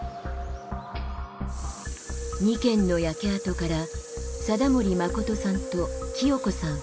２軒の焼け跡から貞森誠さんと喜代子さん